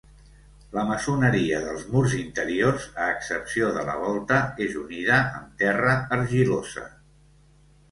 La maçoneria dels murs interiors, a excepció de la volta, és unida amb terra argilosa.